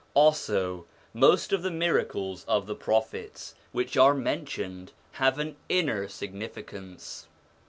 Also, most of the miracles of the Prophets which are mentioned have an inner significance.